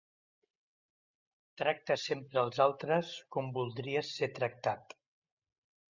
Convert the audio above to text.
Tracta sempre els altres com voldries ser tractat.